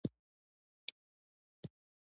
د دعا غږ د اسمان دروازې پرانیزي.